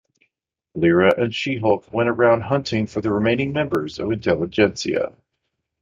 Lyra and She-Hulk went around hunting for the remaining members of Intelligencia.